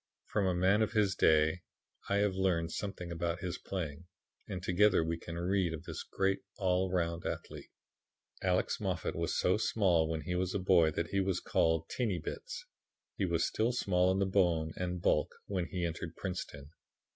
From a man of his day I have learned something about his playing, and together we can read of this great all round athlete. Alex Moffat was so small when he was a boy that he was called "Teeny bits." He was still small in bone and bulk when he entered Princeton.